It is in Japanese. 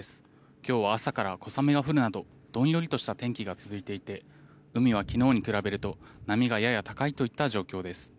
今日は朝から小雨が降るなどどんよりとした天気が続いていて海は昨日に比べると波がやや高いといった状況です。